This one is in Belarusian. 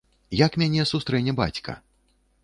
Як мяне сустрэне бацька?